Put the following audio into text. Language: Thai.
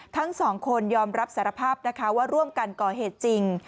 ทั้งสองคนยอมรับสารภาพนะคะว่าร่วมกันก่อเหตุจริง